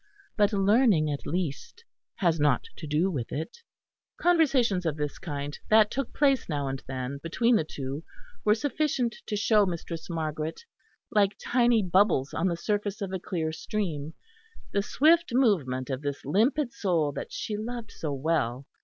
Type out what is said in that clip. But learning, at least, has nought to do with it." Conversations of this kind that took place now and then between the two were sufficient to show Mistress Margaret, like tiny bubbles on the surface of a clear stream, the swift movement of this limpid soul that she loved so well.